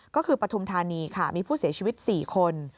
ก็คือปฐุมธานีค่ะมีผู้เสียชีวิต๔คน